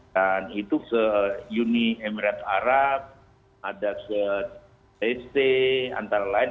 dan itu uni emirat arab ada stc antara lain